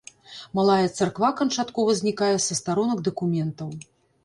Малая царква канчаткова знікае са старонак дакументаў.